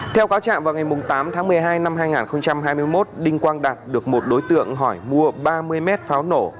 theo cáo trạng vào ngày tám tháng một mươi hai năm hai nghìn hai mươi một đinh quang đạt được một đối tượng hỏi mua ba mươi mét pháo nổ